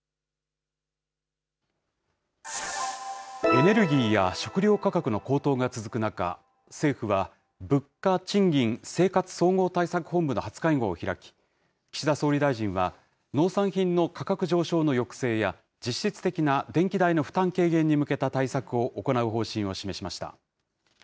エネルギーや食料価格の高騰が続く中、政府は物価・賃金・生活総合対策本部の初会合を開き、岸田総理大臣は、農産品の価格上昇の抑制や、実質的な電気代の負担軽減に向けた対策を行う方針を示しました。